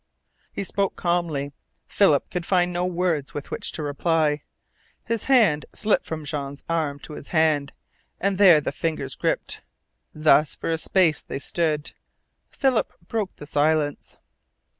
He spoke calmly. Philip could find no words with which to reply. His hand slipped from Jean's arm to his hand, and their fingers gripped. Thus for a space they stood. Philip broke the silence.